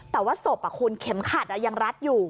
แต่ว่าศพคุณเข็มขัดยังรัดอยู่